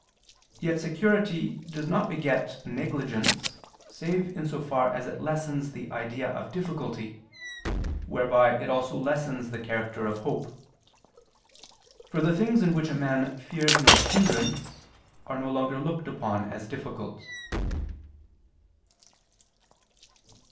Yet security does not beget negligence, save in so far as it lessens the idea of difficulty: whereby it also lessens the character of hope: for the things in which a man fears no hindrance, are no longer looked upon as difficult.